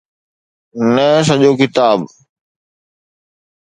نه سڄو ڪتاب.